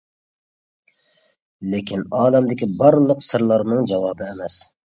لېكىن ئالەمدىكى بارلىق سىرلارنىڭ جاۋابى ئەمەس.